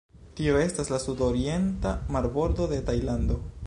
Tio estas la sudorienta marbordo de Tajlando.